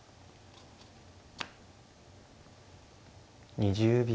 ２０秒。